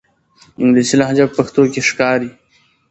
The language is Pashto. انګلیسي لهجه په پښتو کې ښکاري.